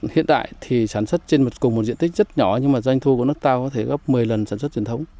hiện tại thì sản xuất trên một cùng một diện tích rất nhỏ nhưng mà doanh thu của nước ta có thể gấp một mươi lần sản xuất truyền thống